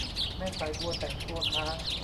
แม่สายบัวแต่งตัวค้าง